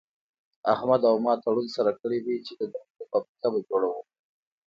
احمد او ما تړون سره کړی دی چې د درملو فابريکه به جوړوو.